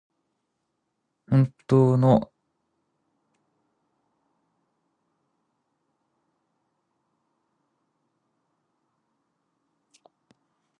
本当の幸いとはなんだろう。